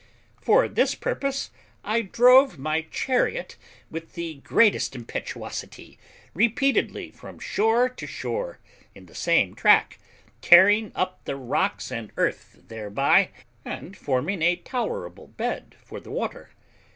For this purpose I drove my chariot with the greatest impetuosity repeatedly from shore to shore, in the same track, tearing up the rocks and earth thereby, and forming a tolerable bed for the water.